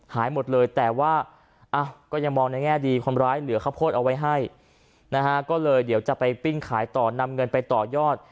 หายหมดเลยแต่ว่าก็ยังมองในแง่ดีคนร้ายเหลือข้าวโพดเอาไว้ให้นะฮะก็เลยเดี๋ยวจะไปปิ้งขายต่อนำเงินไปต่อยอด